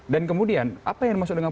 dan kemudian apa yang masuk dengan